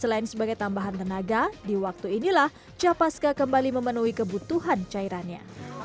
selain sebagai tambahan tenaga di waktu inilah capaska kembali memenuhi kebutuhan cairannya